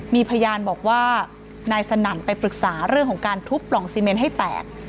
มีพยานบอกว่านายสนั่นไปปรึกษาเรื่องของการทุบปล่องซีเมนให้แตก